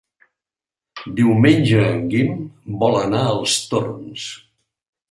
Diumenge en Guim vol anar als Torms.